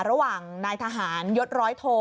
ระหว่างนายทหารยศร้อยโท